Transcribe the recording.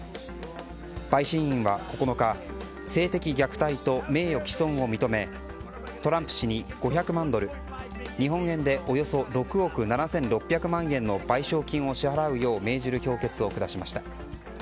陪審員は９日性的虐待と、名誉棄損を認めトランプ氏に５００万ドル日本円でおよそ６億７６００万円の賠償金を支払うよう命じる評決を下しました。